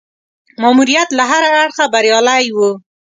ماموریت له هره اړخه بریالی وو.